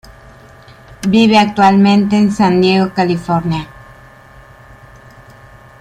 Vive actualmente en San Diego, California.